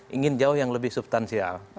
ingin jauh yang lebih substansial